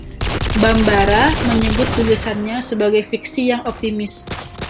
Bambara menyebut tulisannya sebagai fiksi yang "optimis".